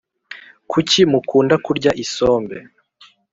kucyi mukunda kurya isombe